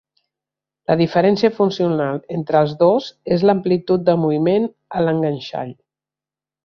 La diferència funcional entre els dos és l'amplitud de moviment a l'enganxall.